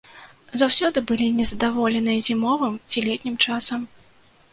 Заўсёды былі незадаволеныя зімовым ці летнім часам.